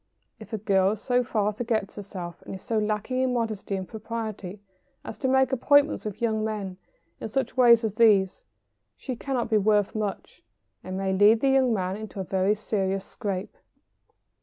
If a girl so far forgets herself, and is so lacking in modesty and propriety as to make appointments with young men in such ways as these, she cannot be worth much, and may lead the young man into a very serious scrape.